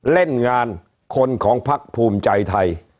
เล่นงานคนของพักภูมิใจไทย